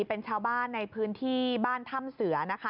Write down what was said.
เป็นชาวบ้านในพื้นที่บ้านถ้ำเสือนะคะ